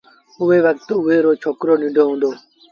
اُئي وکت اُئي رو ڇوڪرو ننڍو هُݩدو